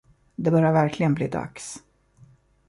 Det börjar verkligen bli dags.